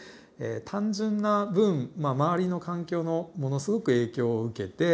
単純な分周りの環境のものすごく影響を受けて。